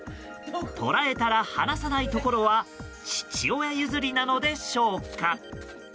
捉えたら離さないところは父親譲りなのでしょうか。